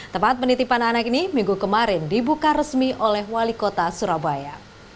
tempat penitipan anak ini minggu kemarin dibuka resmi oleh wali kota surabaya